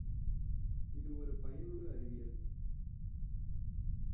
இது ஒரு பயனுறு அறிவியல்.